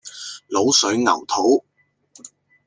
滷水牛肚